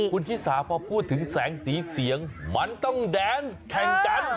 คุณชิสาพอพูดถึงแสงสีเสียงมันต้องแดนส์แข่งกัน